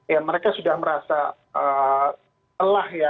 ya mereka sudah merasa lelah ya